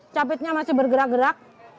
capitnya masih bergerak gerak